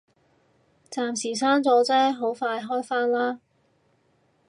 暫時閂咗啫，好快開返啦